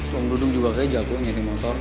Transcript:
uang dudung juga kaya jago nyanyi motor